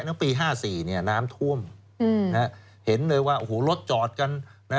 ตั้งแต่ปี๕๔น้ำท่วมเห็นเลยว่ารถจอดกัน